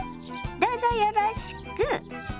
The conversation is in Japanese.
どうぞよろしく。